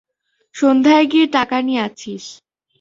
সন্ধ্যায় গিয়ে টাকা নিয়ে আছিস।